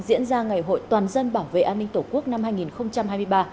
diễn ra ngày hội toàn dân bảo vệ an ninh tổ quốc năm hai nghìn hai mươi ba